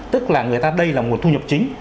tức là người ta đây là nguồn thu nhập chính